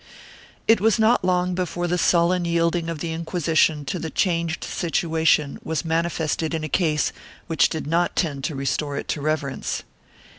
1 It was not long before the sullen yielding of the Inquisition to the changed situation was manifested in a case which did not tend to restore it to reverence.